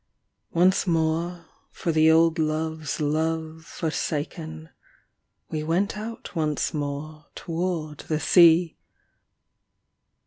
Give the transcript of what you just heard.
Once more, for the old love's love forsaken, We went out once more toward the sea.